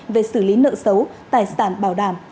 về xử lý nợ xấu tài sản bảo đảm